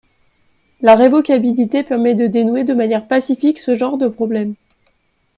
La révocabilité permet de dénouer de manière pacifique ce genre de problème.